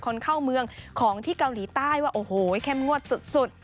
คนเข้าเมืองของที่เกาหลีใต้ว่าโอ้โหเข้มงวดสุด